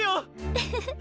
ウフフフ。